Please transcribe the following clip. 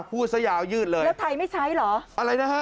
พูดซะยาวยืดเลยแล้วไทยไม่ใช้เหรออะไรนะฮะ